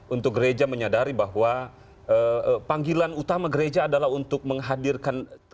untuk gereja menyadari bahwa panggilan utama gereja adalah untuk menghadirkan